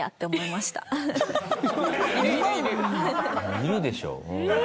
いるでしょ。